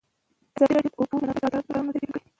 ازادي راډیو د د اوبو منابع په اړه د کارګرانو تجربې بیان کړي.